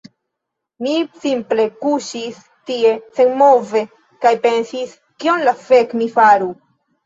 Mi simple kuŝis tie senmove kaj pensis kion la fek' mi faru